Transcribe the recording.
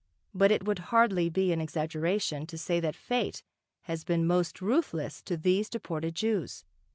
But it would hardly be an exaggeration to say that fate has been most ruthless to these deported Jews.